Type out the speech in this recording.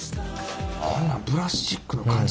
こんなんプラスチックの感じ